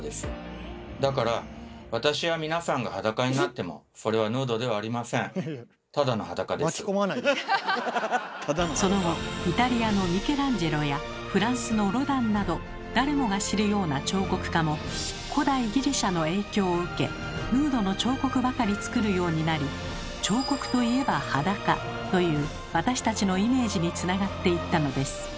だからその後イタリアのミケランジェロやフランスのロダンなど誰もが知るような彫刻家も古代ギリシャの影響を受けヌードの彫刻ばかり作るようになり「彫刻といえば裸」という私たちのイメージにつながっていったのです。